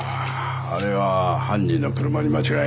あれは犯人の車に間違いない。